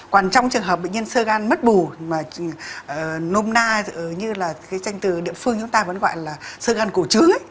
còn trong trường hợp bệnh nhân sơ gan mất bù mà nôm na như là cái tranh từ địa phương chúng ta vẫn gọi là sơ gan cổ chữ ấy